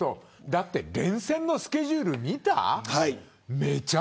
だって連戦のスケジュール見ましたか。